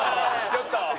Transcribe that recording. ちょっと。